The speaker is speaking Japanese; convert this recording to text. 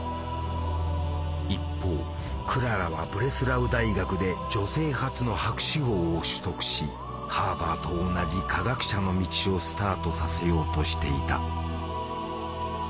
一方クララはブレスラウ大学で女性初の博士号を取得しハーバーと同じ化学者の道をスタートさせようとしていた。